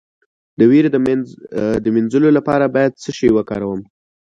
د ویرې د مینځلو لپاره باید څه شی وکاروم؟